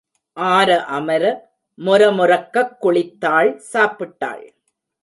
ஆர அமர, மொர மொரக்கக் குளித்தாள் சாப்பிட்டாள்.